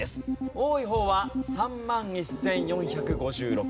多い方は３万１４５６円です。